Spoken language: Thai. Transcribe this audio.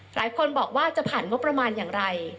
หลายคนบอกว่าจะผ่านงบประมาณอย่างไร